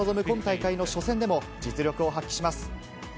今大会の初戦でも実力を発揮します。